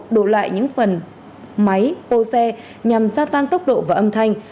đổ lại những phần máy ô xe nhằm xa tăng tốc độ và âm thanh